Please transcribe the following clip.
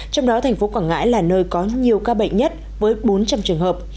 trong đó thành phố quảng ngãi là nơi có nhiều ca bệnh nhất với bốn trăm linh trường hợp